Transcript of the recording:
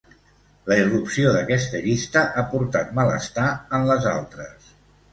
La irrupció d’aquesta llista ha portat malestar en les altres.